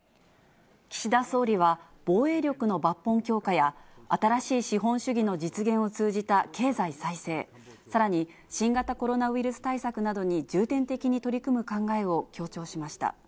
岸田総理は、防衛力の抜本強化や、新しい資本主義の実現を通じた経済再生、さらに、新型コロナウイルス対策などに重点的に取り組む考えを強調しました。